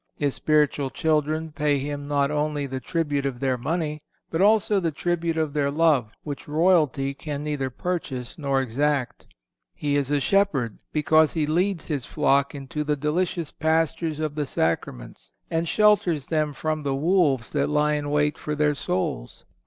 His spiritual children pay him not only the tribute of their money, but also the tribute of their love which royalty can neither purchase nor exact. He is a shepherd, because he leads his flock into the delicious pastures of the Sacraments and shelters them from the wolves that lie in wait for their souls.